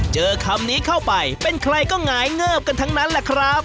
เจอคำนี้เข้าไปเป็นใครก็หงายเงิบกันทั้งนั้นแหละครับ